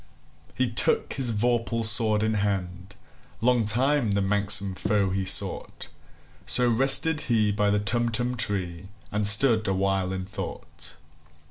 He took his vorpal sword in hand:Long time the manxome foe he sought—So rested he by the Tumtum tree, And stood awhile in thought.